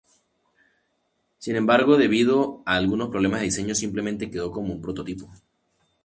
Sin embargo, debido a algunos problemas de diseño, simplemente quedó como un prototipo.